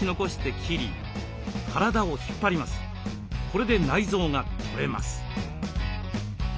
これで内臓が取れます。